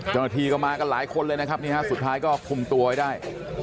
เจ้าหน้าที่ก็มากันหลายคนเลยนะครับนี่ฮะสุดท้ายก็คุมตัวไว้ได้